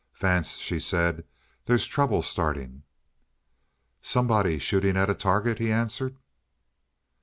"Vance," she said, "there's trouble starting." "Somebody shooting at a target," he answered.